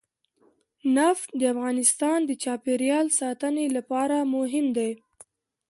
نفت د افغانستان د چاپیریال ساتنې لپاره مهم دي.